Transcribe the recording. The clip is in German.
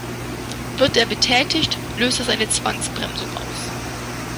Wird er betätigt, löst das eine Zwangsbremsung aus.